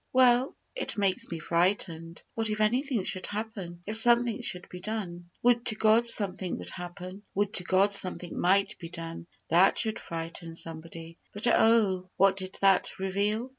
'Well, it makes me frightened. What if anything should happen; if something should be done?'" Would to God something would happen; would to God something might be done that should frighten somebody. But oh! what did that reveal?